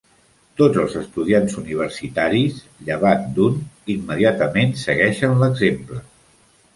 Tots els estudiants universitaris, llevat d'un, immediatament segueixen l'exemple.